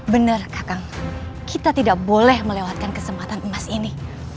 benarkah kang kita tidak boleh melewatkan kesempatan emas ini